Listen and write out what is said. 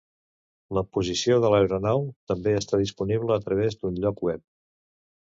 La posició de l'aeronau també està disponible a través d'un lloc web.